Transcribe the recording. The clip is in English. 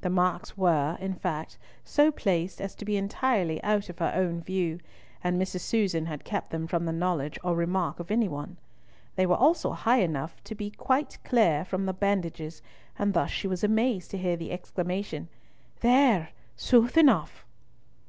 The marks were, in fact, so placed as to be entirely out of her own view, and Mrs. Susan had kept them from the knowledge or remark of any one. They were also high enough up to be quite clear from the bandages, and thus she was amazed to hear the exclamation, "There! sooth enough."